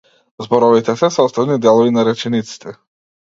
Зборовите се составни делови на речениците.